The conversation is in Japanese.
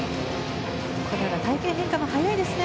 隊形変化も速いですね。